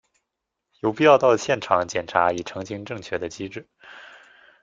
有必要到现场检查以澄清正确的机制。